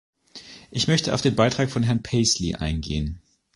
Ich möchte auf den Beitrag von Herrn Paisley eingehen.